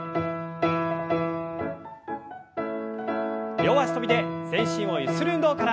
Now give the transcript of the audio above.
両脚跳びで全身をゆする運動から。